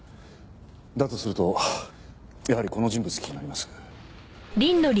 だとするとやはりこの人物気になります。